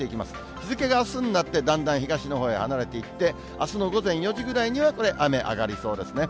日付があすになって、だんだん東のほうへ離れていって、あすの午前４時ぐらいにはこれ、雨、上がりそうですね。